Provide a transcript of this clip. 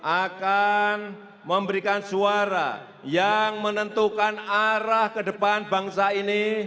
akan memberikan suara yang menentukan arah ke depan bangsa ini